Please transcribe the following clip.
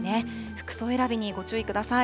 服装選びにご注意ください。